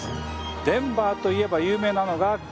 デンバーといえば有名なのがこちら。